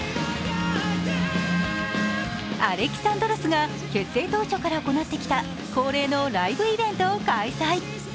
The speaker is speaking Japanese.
［Ａｌｅｘａｎｄｒｏｓ］が結成当初から行ってきた恒例のライブイベントを開催。